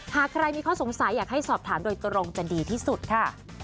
หากใครมีข้อสงสัยอยากให้สอบถามโดยตรงจะดีที่สุดค่ะ